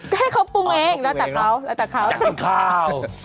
ก็ให้เขาปรุงเองระดับเขา